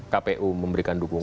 kpu memberikan dukungan